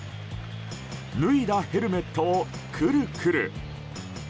脱いだヘルメットをくるくる。